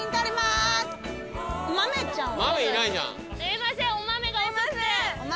すいません。